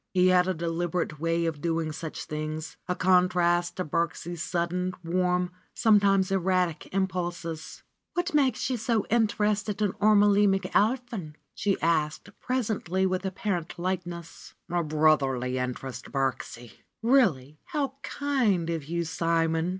He had a deliberate way of doing such things, a contrast to Birksie's sudden, warm, sometimes erratic, impulses. "What makes you so interested in Ormelie McAlpin ?" she asked presently with apparent lightness. "A brotherly interest, Birksie." "Really ! How kind of you, Simon